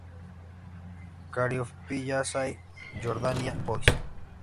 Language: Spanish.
Caryophyllaceae Jordania Boiss.